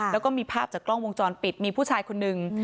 แล้วก็มีภาพจากกล้องวงจรปิดมีผู้ชายคนนึง